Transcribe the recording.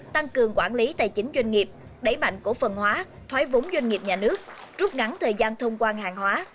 tăng cường quản lý tài chính doanh nghiệp đẩy mạnh cổ phần hóa thoái vốn doanh nghiệp nhà nước rút ngắn thời gian thông quan hàng hóa